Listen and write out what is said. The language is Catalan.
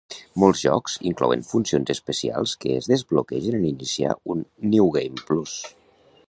Molts jocs inclouen funcions especials que es desbloquegen en iniciar un New Game Plus.